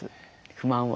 不満は。